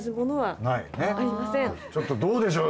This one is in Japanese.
ちょっとどうでしょう。